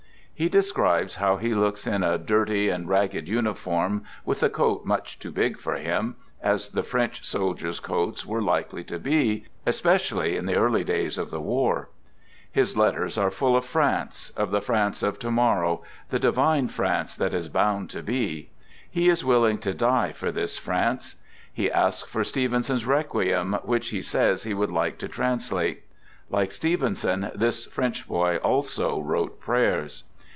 He describes how he looks in a dirty and ragged uniform with the coat much too big for him — as the French soldiers' coats were likely to be, especially in the early days of the war. His letters are full of France, of the France of 98 "THE GOOD SOLDIER" to morrow, " the divine France that is bound to be." He is willing to die for this France. He asks for Stevenson's " Requiem," which he says he would like to translate. Like Stevenson, this French boy also wrote prayers.